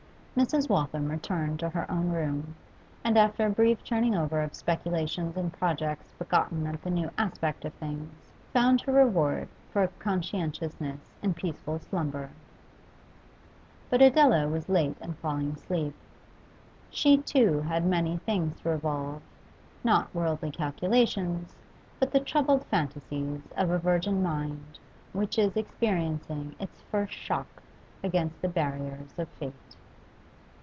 Mrs. Waltham returned to her own room, and after a brief turning over of speculations and projects begotten of the new aspect of things, found her reward for conscientiousness in peaceful slumber. But Adela was late in falling asleep. She, too, had many things to revolve, not worldly calculations, but the troubled phantasies of a virgin mind which is experiencing its first shock against the barriers of fate.